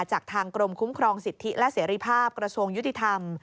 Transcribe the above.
จากทางกรมคุ้มครองสิทธิและเสรีภาพกระทรวงยุติธรรม